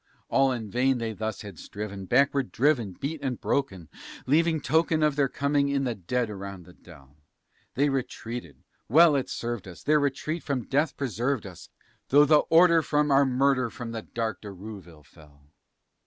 All in vain they thus had striven; backward driven, beat and broken, Leaving token of their coming in the dead around the dell, They retreated well it served us! their retreat from death preserved us, Though the order for our murder from the dark De Rouville fell.